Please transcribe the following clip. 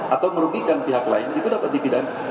atau merugikan pihak lain itu dapat dipidana